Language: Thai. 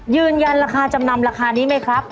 ยืนยันราคาจำนำราคานี้ไหมครับ